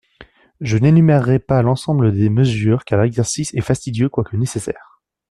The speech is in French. Je n’énumérerai pas l’ensemble des mesures car l’exercice est fastidieux quoique nécessaire.